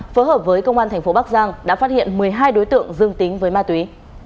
phối hợp với công an thành phố bắc giang đã phát hiện một mươi hai đối tượng dương tính với ma túy